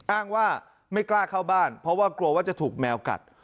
อ้างว่าไม่กล้าเข้าบ้านเพราะว่ากลัวว่าจะถูกแมวกัด